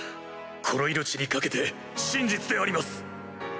この命に懸けて真実であります。